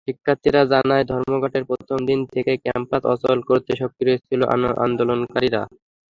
শিক্ষার্থীরা জানায়, ধর্মঘটের প্রথম দিন থেকেই ক্যাম্পাস অচল করতে সক্রিয় ছিল আন্দোলনকারীরা।